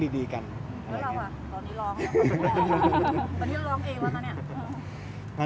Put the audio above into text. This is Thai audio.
ไม่ได้คนแบบนี้นะ